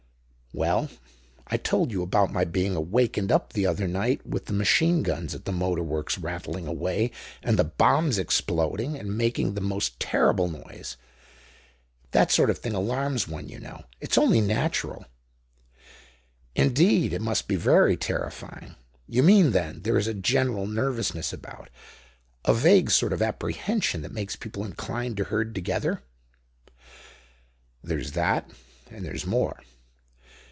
"Well, I told you about my being awakened up the other night with the machine guns at the motor works rattling away, and the bombs exploding and making the most terrible noise. That sort of thing alarms one, you know. It's only natural." "Indeed, it must be very terrifying. You mean, then, there is a general nervousness about, a vague sort of apprehension that makes people inclined to herd together?" "There's that, and there's more.